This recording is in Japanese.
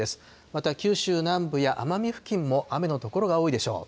また九州南部や奄美付近も、雨の所が多いでしょう。